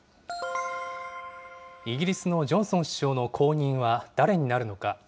イギリスのジョンソン首相の後任は誰になるのか。